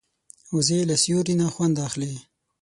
وزې له سیوري نه خوند اخلي